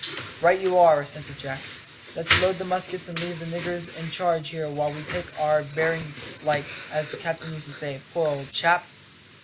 "Right you are," assented Jack. "Let's load the muskets and leave the niggers in charge here while we take our bearin's like, as the captain used to say, poor old chap!"